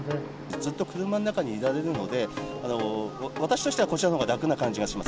ずっと車の中にいられるので、私としてはこちらのほうが楽な感じがします。